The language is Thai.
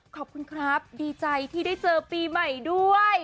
ขอบคุณครับดีใจที่ได้เจอปีใหม่ด้วย